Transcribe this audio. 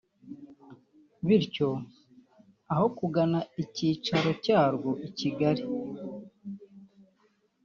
bityo aho kugana icyicaro cyarwo i Kigali